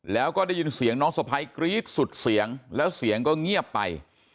แล้วก็ได้ยินเสียงน้องสะพ้ายกรี๊ดสุดเสียงแล้วเสียงก็เงียบไป